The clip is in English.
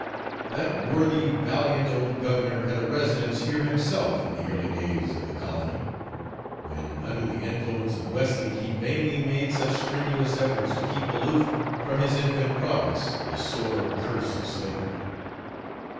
That worthy valiant old governor had a residence here himself in the early days of the colony; when, under the influence of Wesley, he vainly made such strenuous efforts to keep aloof from his infant province the sore curse of slavery.